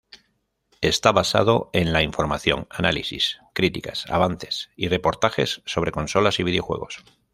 Está basado en la información, análisis, críticas, avances y reportajes sobre consolas y videojuegos.